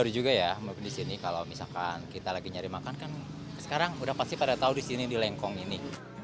baru juga ya disini kalau misalkan kita lagi nyari makan kan sekarang udah pasti pada tau disini di lengkong ini